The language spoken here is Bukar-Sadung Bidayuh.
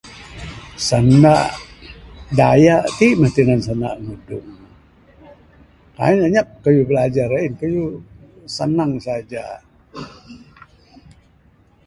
Sanda dayak tu mah tinan sanda ngudung...kaii ne anyap kayuh bilajar ain kayuh sanang saja.